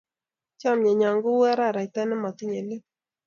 Chamyenyo ko u araraita ne matinye let